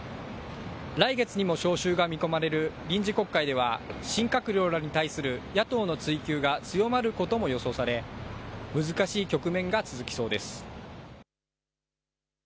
来月にも召集が見込まれる臨時国会では新閣僚らに対する野党の追及が強まることも予想され難しい局面が続きそうです。